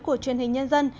của truyền hình nhân dân